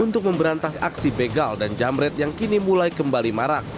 untuk memberantas aksi begal dan jamret yang kini mulai kembali marak